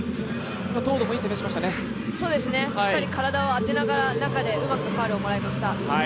しっかり体を当てながら中でうまくファウルをもらいました。